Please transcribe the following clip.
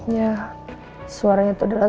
ya suaranya itu adalah